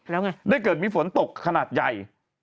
แล้วไงได้เกิดมีฝนตกขนาดใหญ่